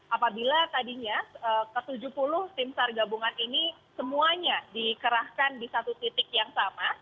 apabila tadinya ke tujuh puluh tim sar gabungan ini semuanya dikerahkan di satu titik yang sama